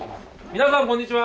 皆さんこんにちは。